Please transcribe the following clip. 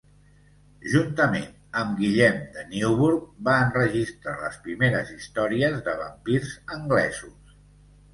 Juntament amb Guillem de Newburgh, va enregistrar les primeres històries de vampirs anglesos.